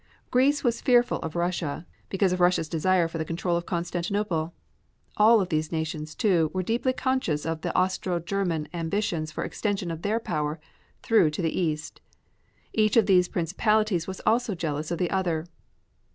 Greece was fearful of Russia, because of Russia's desire for the control of Constantinople. All of these nations, too, were deeply conscious of the Austro German ambitions for extension of their power through to the East. Each of these principalities was also jealous of the other.